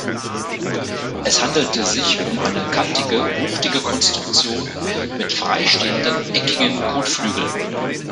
Es handelte sich um eine kantige, wuchtige Konstruktion mit freistehenden, eckigen Kotflügeln.